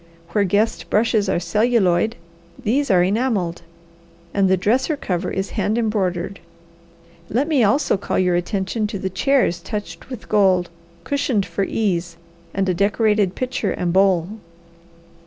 Where guest brushes are celluloid, these are enamelled, and the dresser cover is hand embroidered. Let me also call your attention to the chairs touched with gold, cushioned for ease, and a decorated pitcher and bowl.